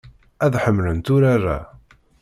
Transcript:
Ad ḥemmlent urar-a.